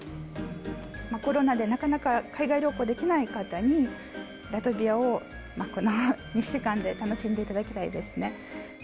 コロナでなかなか海外旅行できない方に、ラトビアをこの２週間で楽しんでいただきたいですね。